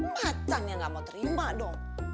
macan yang nggak mau terima dong